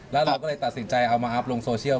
แล้วเราก็เลยตัดสินใจเอามาอัพลงโซเชียล